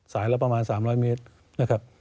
ละประมาณ๓๐๐เมตรนะครับ